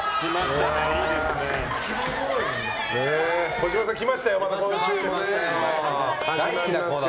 児嶋さん、今週も来ましたよ。